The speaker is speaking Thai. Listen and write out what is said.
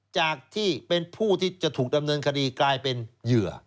จากที่เป็นผู้ที่จะถูกดำเนินคดีกลายเป็นเหยื่อ